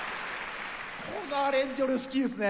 このアレンジ俺好きですね。